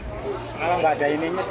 oh bapak sebelumnya sudah pernah antri